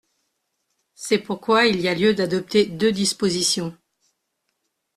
C’est pourquoi il y a lieu d’adopter deux dispositions.